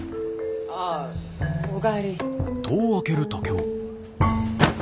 ・ああお帰り。